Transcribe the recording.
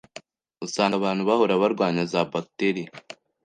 Usanga abantu bahora barwanya za “bacteria”